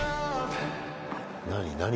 何？